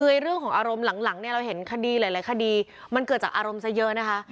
คือเรื่องของอารมณ์หลังเนี่ยเราเห็นคดีหลายคดีมันเกิดจากอารมณ์ซะเยอะนะคะ